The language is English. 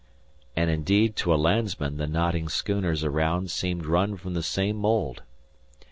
And indeed to a landsman, the nodding schooners around seemed run from the same mold.